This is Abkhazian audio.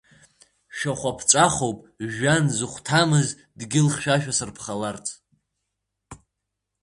Шәахәа ԥҵәахоуп жәҩан зыхәҭамыз дгьыл хьшәашәа сырԥхаларц.